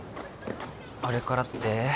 あれからって？